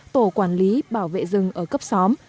tổ quản lý bảo vệ rừng ở cấp xóm